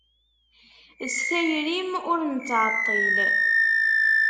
S tayri-m ur nettɛeṭṭil.